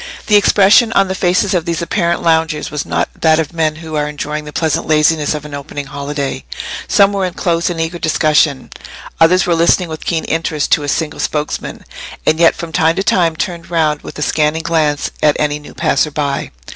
The expression on the faces of these apparent loungers was not that of men who are enjoying the pleasant laziness of an opening holiday. Some were in close and eager discussion; others were listening with keen interest to a single spokesman, and yet from time to time turned round with a scanning glance at any new passer by.